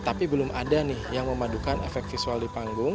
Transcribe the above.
tapi belum ada nih yang memadukan efek visual di panggung